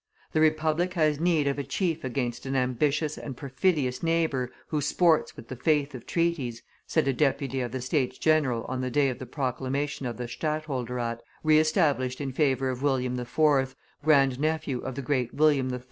"The republic has need of a chief against an ambitious and perfidious neighbor who sports with the faith of treaties," said a deputy of the States general on the day of the proclamation of the stadtholderate, re established in favor of William IV., grand nephew of the great William III.